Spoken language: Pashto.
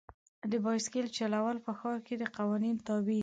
د بایسکل چلول په ښار کې د قوانین تابع دي.